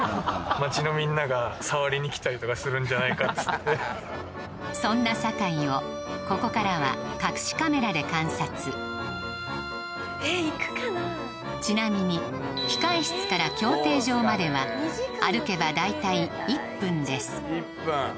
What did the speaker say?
街のみんなが触りに来たりとかするんじゃないかっつってそんな酒井をここからは隠しカメラで観察ちなみに控室から競艇場までは歩けば大体１分です